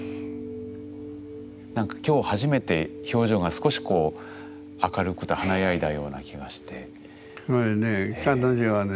なんか今日初めて表情が少しこう明るく華やいだような気がして。